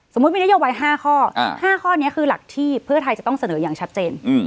มีนโยบาย๕ข้อ๕ข้อนี้คือหลักที่เพื่อไทยจะต้องเสนออย่างชัดเจน